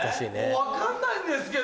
分かんないんですけど。